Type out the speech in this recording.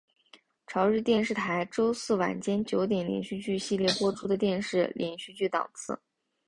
朝日电视台周四晚间九点连续剧系列播出的电视连续剧档次。